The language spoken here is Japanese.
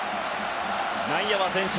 内野は前進。